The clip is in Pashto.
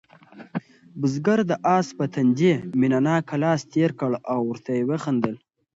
بزګر د آس په تندي مینه ناک لاس تېر کړ او ورته ویې خندل.